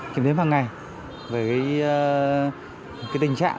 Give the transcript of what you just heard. kiểm đếm hằng ngày về cái tình trạng của các cây xưa